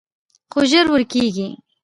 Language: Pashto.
خو ژر ورکېږي